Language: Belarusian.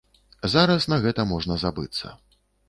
Зараз на гэта можна забыцца.